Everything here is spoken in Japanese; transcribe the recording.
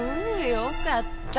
よかった。